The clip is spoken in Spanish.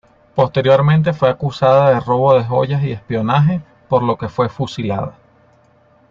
Posteriormente fue acusada de robo de joyas y espionaje, por lo que fue fusilada.